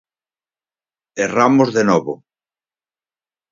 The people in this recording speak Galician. Erramos de novo.